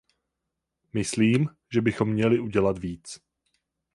Myslím, že bychom měli udělat víc.